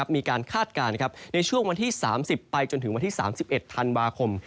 คาดการณ์ในช่วงวันที่๓๐ไปจนถึงวันที่๓๑ธันวาคม